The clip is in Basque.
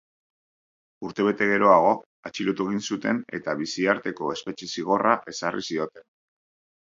Urtebete geroago, atxilotu egin zuten eta biziarteko espetxe zigorra ezarri zioten.